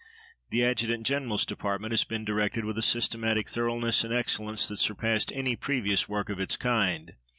The Adjutant General's Department has been directed with a systematic thoroughness and excellence that surpassed any previous work of its kind.